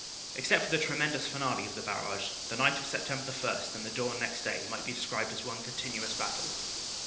Except for the tremendous finale of the barrage, the night of Sept. 1 and the dawn next day might be described as one continuous battle.